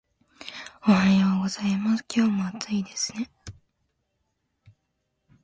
おはようございます。今日も暑いですね